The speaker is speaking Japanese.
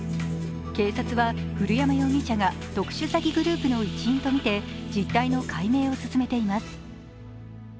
警察は古山容疑者が特殊詐欺グループの一員とみて実態の解明を進めています。